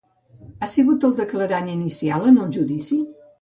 Ha sigut el declarant inicial en el judici?